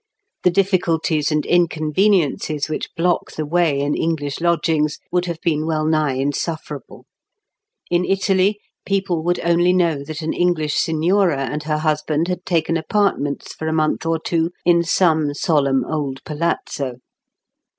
The difficulties and inconveniences which block the way in English lodgings would have been well nigh insufferable; in Italy, people would only know that an English signora and her husband had taken apartments for a month or two in some solemn old palazzo.